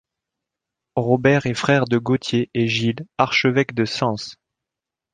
Robert est frère de Gauthier et Gilles, archevêques de Sens.